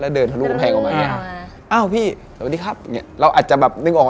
แล้วเดินทะลุแข็งออกมาอ้าวพี่สวัสดีครับเราอาจจะแบบนึกออก